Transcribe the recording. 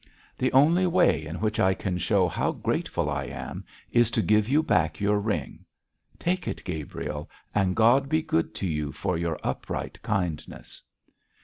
The only way in which I can show how grateful I am is to give you back your ring. Take it, Gabriel, and God be good to you for your upright kindness.'